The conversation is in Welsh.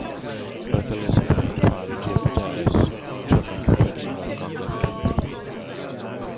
Roedd Elizabeth yn chwaer i David Ellis twrnai cyffredinol gogledd Cymru.